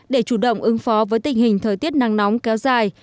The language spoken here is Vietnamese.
để chủ động ứng phó với tình hình thời tiết nắng nóng kéo dài